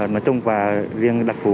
nói chung và riêng đặc vụ